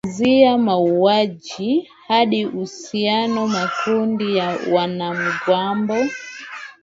Kuanzia mauaji hadi uhusiano na makundi ya wanamgambo.